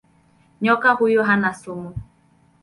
Nyoka huyu hana sumu.